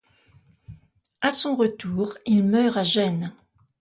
À son retour, il meurt à Gênes.